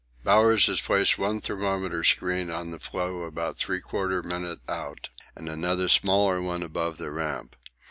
Bowers has placed one thermometer screen on the floe about 3/4' out, and another smaller one above the Ramp.